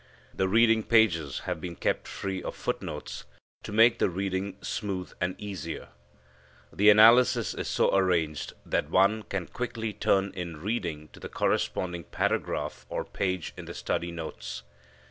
The reading pages have been kept free of foot notes to make the reading smooth and easier. The analysis is so arranged that one can quickly turn in reading to the corresponding paragraph or page in the study notes.